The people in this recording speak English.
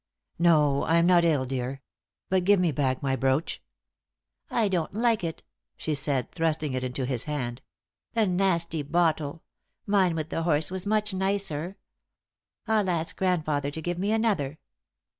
"No, I am not ill, dear. But give me back my brooch." "I don't like it," she said, thrusting it into his hand. "A nasty bottle! Mine with the horse was much nicer. I'll ask grandfather to give me another.